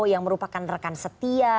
yang merupakan rekan setia